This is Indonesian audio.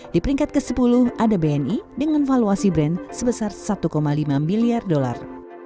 di peringkat ke sepuluh ada bni dengan valuasi brand sebesar satu lima miliar dolar